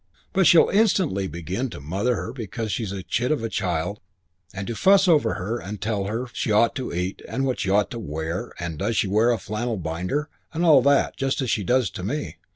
But she'll instantly begin to mother her because she is a chit of a child, and to fuss over her and tell her what she ought to eat and what she ought to wear, and does she wear a flannel binder, and all that, just as she does to me.